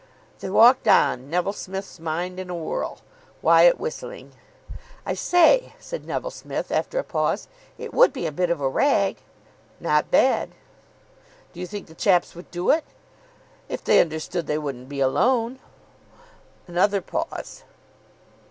They walked on, Neville Smith's mind in a whirl, Wyatt whistling. "I say," said Neville Smith after a pause. "It would be a bit of a rag." "Not bad." "Do you think the chaps would do it?" "If they understood they wouldn't be alone." Another pause.